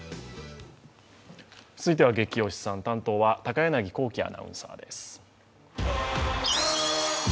続いては「ゲキ推しさん」担当は高柳光希アナウンサーです。